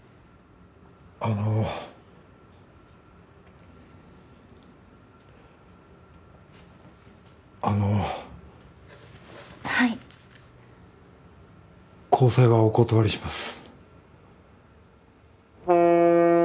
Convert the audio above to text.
あのあのはい交際はお断りします